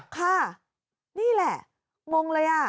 ค่ะนี่แหละงงเลยอ่ะ